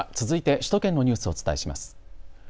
続いて首都圏のニュースをお伝えします。